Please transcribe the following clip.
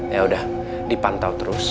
yaudah dipantau terus